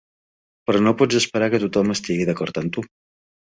Però no pots esperar que tothom estigui d'acord amb tu.